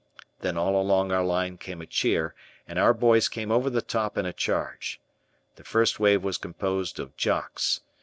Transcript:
Then all along our line came a cheer and our boys came over the top in a charge. The first wave was composed of "Jocks."